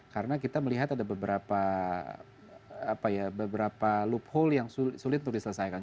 karena kita melihat ada beberapa apa ya beberapa loophole yang sulit untuk diselesaikan